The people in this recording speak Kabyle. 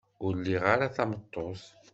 Ur liɣ ara tameṭṭut.